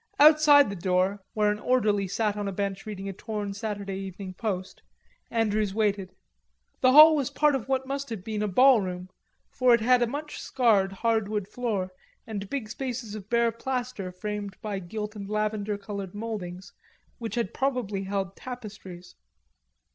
Outside the door, where an orderly sat on a short bench reading a torn Saturday Evening Post, Andrews waited. The hall was part of what must have been a ballroom, for it had a much scarred hardwood floor and big spaces of bare plaster framed by gilt and lavender colored mouldings, which had probably held tapestries.